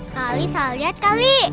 kali salah lihat kali